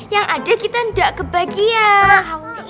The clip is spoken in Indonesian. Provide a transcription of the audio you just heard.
yang ada kita tidak kebagian